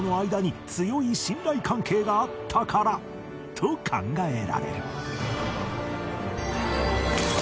と考えられる